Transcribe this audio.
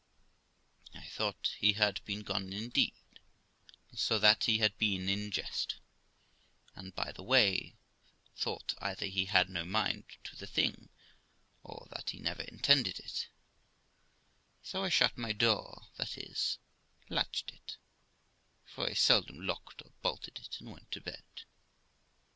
I thought he had been gone indeed, and so that he had been in jest; and, by the way, thought either he had no mind to the thing, or that he never intended it; so I shut my door, that is, latched it, for I seldom locked or bolted it, and went to bed.